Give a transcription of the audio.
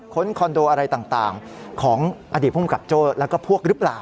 คอนโดอะไรต่างของอดีตภูมิกับโจ้แล้วก็พวกหรือเปล่า